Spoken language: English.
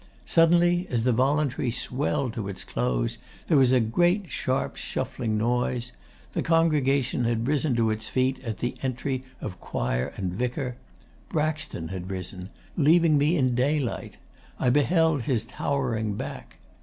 Suddenly, as the "voluntary" swelled to its close, there was a great sharp shuffling noise. The congregation had risen to its feet, at the entry of choir and vicar. Braxton had risen, leaving me in daylight. I beheld his towering back.